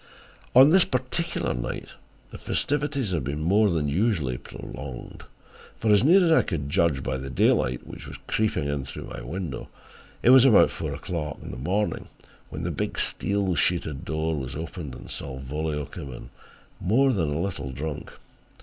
On this particular night the festivities had been more than usually prolonged, for as near as I could judge by the day light which was creeping in through my window it was about four o'clock in the morning when the big steel sheeted door was opened and Salvolio came in, more than a little drunk.